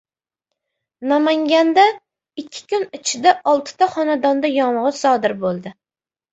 Namanganda ikki kun ichida oltita xonadonda yong‘in sodir bo‘ldi